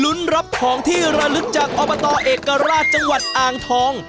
รับของที่ระลึกจากอบตเอกราชจังหวัดอ่างทอง